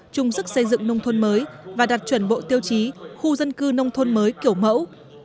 chung sức xây dựng nông thôn mới và đạt chuẩn bộ tiêu chí khu dân cư nông thôn mới kiểu mẫu